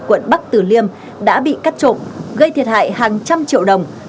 quận bắc tử liêm đã bị cắt trộn gây thiệt hại hàng trăm triệu đồng